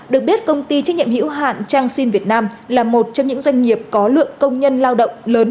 được biết công ty trách nhiệm hữu hạn trang sin việt nam là một trong những doanh nghiệp có lượng công nhân lao động lớn nhất tại tỉnh đồng nai